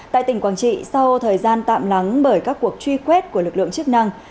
tại tỉnh quảng trị sau thời gian tạm nắng bởi các cuộc truy quét của lực lượng chức năng